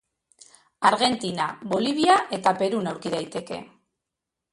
Argentina, Bolivia eta Perun aurki daiteke.